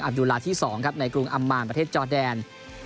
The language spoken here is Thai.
อัพยุราชที่๒ครับในกรุงอำมาตย์ประเทศจอดแดน